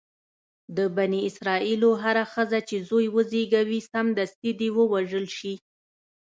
د بني اسرایلو هره ښځه چې زوی وزېږوي سمدستي دې ووژل شي.